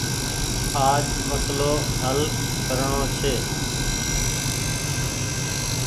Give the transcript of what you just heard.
آج مسلو هل ڪرڻو ڇي۔